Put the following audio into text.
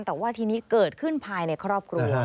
แต่ว่าทีนี้เกิดขึ้นภายในครอบครัว